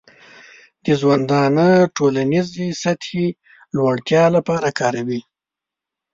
د ژوندانه ټولنیزې سطحې لوړتیا لپاره کار کوي.